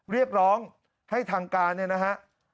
เรียกร้องให้ทางการเนี่ยนะฮะ